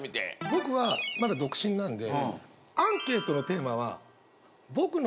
僕はまだ独身なんで。